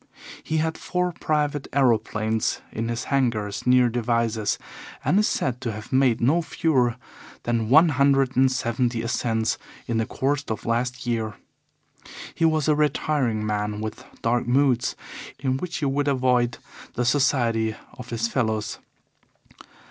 He had four private aeroplanes in his hangars near Devizes, and is said to have made no fewer than one hundred and seventy ascents in the course of last year. He was a retiring man with dark moods, in which he would avoid the society of his fellows.